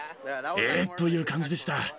えーっという感じでした。